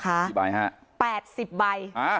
เมื่อที่๔แล้ว